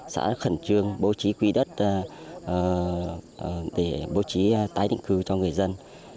xã khẩn trương bố trí quy đất để bố trí tái định cư cho người dân